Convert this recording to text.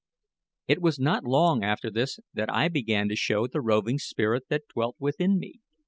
It was not long after this that I began to show the roving spirit that dwelt within me.